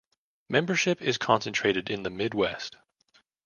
Membership is concentrated in the Midwest.